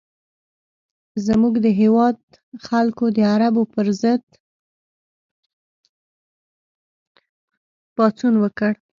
زموږ د هېواد خلکو د عربو پر ضد پاڅون وکړ.